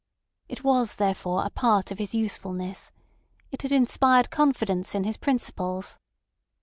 It was, therefore, a part of his usefulness. It had inspired confidence in his principles.